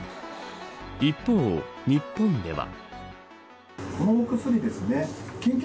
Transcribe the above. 一方、日本では。